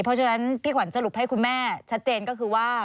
เพราะฉะนั้นพี่ขวัญสรุปให้คุณแม่ชัดเจนก็คือว่า